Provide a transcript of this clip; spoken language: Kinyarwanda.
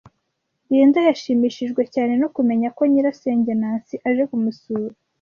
Linda yashimishijwe cyane no kumenya ko nyirasenge Nancy aje kumusura.